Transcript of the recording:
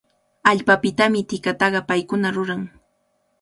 Allpapitami tikataqa paykuna ruran.